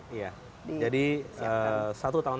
di siapkan jadi satu tahun